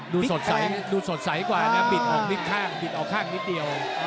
ดูสดใสกว่านะปิดออกข้างนิดเดียว